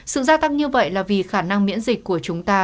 sự gia tăng như vậy là vì khả năng miễn dịch của chúng ta